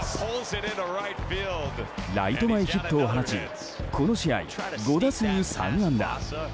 ライト前ヒットを放ちこの試合、５打数３安打。